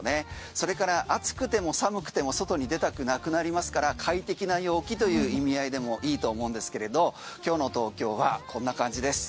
それから暑くても寒くても外に出たくなくなりますから快適な陽気という意味合いでもいいと思うんですけれど今日の東京はこんな感じです。